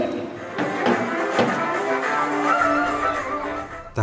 pemerintah juga mengeras suara masjid